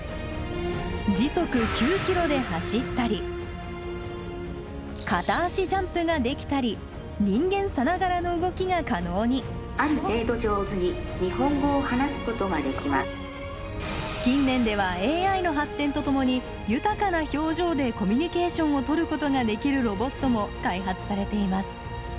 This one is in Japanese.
時速９キロで走ったり片足ジャンプができたり人間さながらの動きが可能に近年ではＡＩの発展とともに豊かな表情でコミュニケーションをとることができるロボットも開発されています。